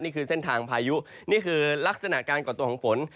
นี่คือเส้นทางพายุนี่คือลักษณะการก่อตัวของฝน